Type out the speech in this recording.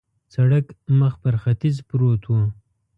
سړک مخ پر ختیځ پروت و.